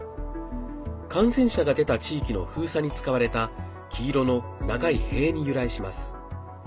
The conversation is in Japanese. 感染者が出た地域の封鎖に使われた黄色の長い塀に由来します。